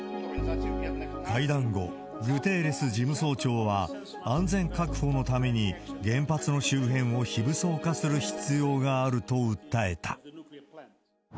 会談後、グテーレス事務総長は、安全確保のために原発の周辺を非武装化する必要があると訴えた。